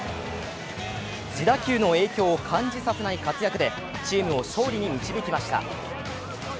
自打球の影響を感じさせない活躍でチームを勝利に導きました。